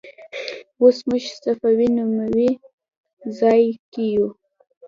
اوس موږ صفوي نومې ځای کې یو.